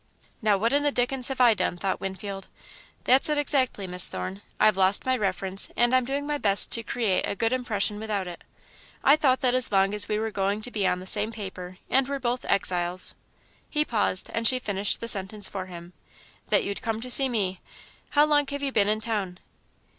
"Now what in the dickens have I done?" thought Winfield. "That's it exactly, Miss Thorne. I've lost my reference, and I'm doing my best to create a good impression without it. I thought that as long as we were going to be on the same paper, and were both exiles " He paused, and she finished the sentence for him: "that you'd come to see me. How long have you been in town?"